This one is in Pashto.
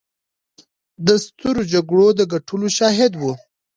د سترو جګړو د ګټلو شاهده وه.